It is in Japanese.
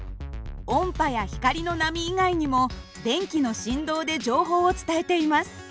音波や光の波以外にも電気の振動で情報を伝えています。